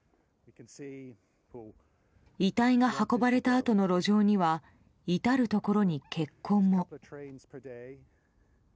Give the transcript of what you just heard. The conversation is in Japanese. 遺体が運ばれたあとの路上には至るところに血痕も。